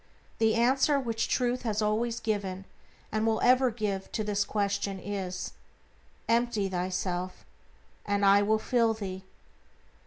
The answer which Truth has always given, and will ever give to this question is, "Empty thyself, and I will fill thee."